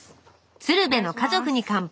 「鶴瓶の家族に乾杯」